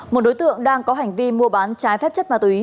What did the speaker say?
một đối tượng đang có hành vi mua bán trái phép chất ma túy